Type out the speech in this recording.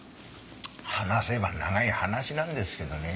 話せば長い話なんですけどね。